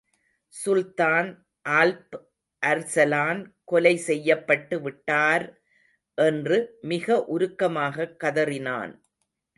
சுல்தான் Alp Arslan கொலை செய்யப்பட்டு விட்டார்! என்று மிக உருக்கமாகக் கதறினான்.